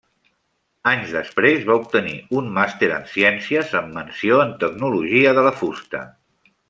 Anys després va obtenir un màster en Ciències amb menció en Tecnologia de la Fusta.